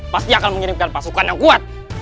pasti akan mengirimkan pasukan yang kuat